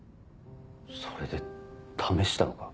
それで試したのか？